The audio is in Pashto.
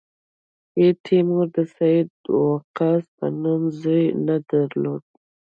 چې تیمور د سعد وقاص په نوم زوی نه درلود.